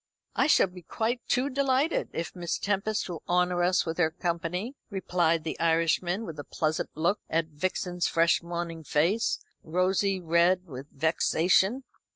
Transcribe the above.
"I shall be quite too delighted, if Miss Tempest will honour us with her company," replied the Irishman, with a pleasant look at Vixen's fresh morning face, rosy red with vexation.